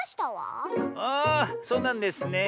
ああそうなんですね。